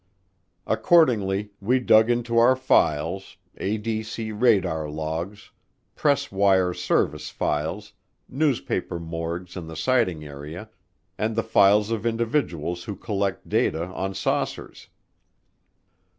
Accordingly, we dug into our files, ADC radar logs, press wire service files, newspaper morgues in the sighting area, and the files of individuals who collect data on saucers.